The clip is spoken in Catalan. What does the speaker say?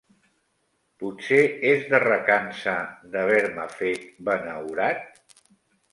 Potser és de recança d'haver-me fet benaurat?